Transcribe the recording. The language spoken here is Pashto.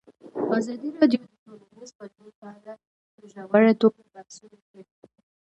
ازادي راډیو د ټولنیز بدلون په اړه په ژوره توګه بحثونه کړي.